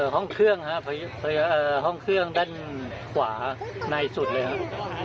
ห้องเครื่องครับห้องเครื่องด้านขวาในสุดเลยครับ